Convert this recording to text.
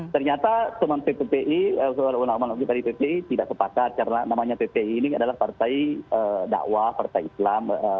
ternyata sementara pppi tidak sepatah karena namanya pppi ini adalah partai dakwah partai islam